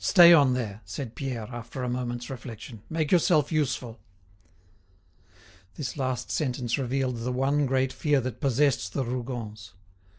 Stay on there!" said Pierre, after a moment's reflection. "Make yourself useful." This last sentence revealed the one great fear that possessed the Rougons.